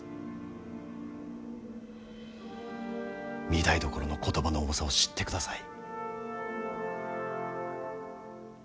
御台所の言葉の重さを知ってください。